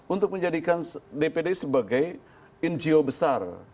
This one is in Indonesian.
untuk menjadikan dpd sebagai ngo besar